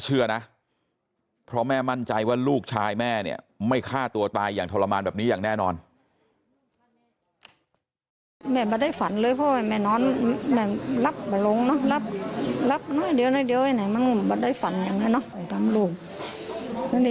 เชื่อนะเพราะแม่มั่นใจว่าลูกชายแม่เนี่ยไม่ฆ่าตัวตายอย่างทรมานแบบนี้อย่างแน่นอน